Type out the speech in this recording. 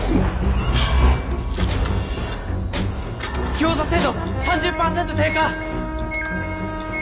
ギョーザ精度３０％低下！